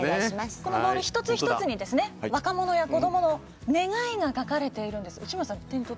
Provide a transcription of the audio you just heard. このボール、一つ一つに若者や子どもの願いが書かれています。